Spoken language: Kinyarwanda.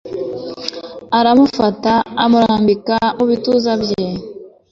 aramufata amurambika mubituza bye